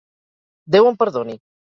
Déu em perdoni.